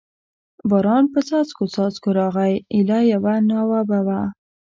باران په څاڅکو څاڅکو راغی، ایله یوه ناوه به و.